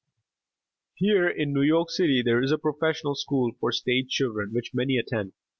Here in New York City there is a professional school for stage children, which many attend.